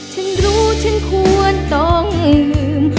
ฉันรู้ฉันควรต้องลืม